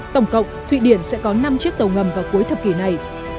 tổng cộng thụy điển sẽ có năm chiếc tàu ngầm vào cuối thập kỷ này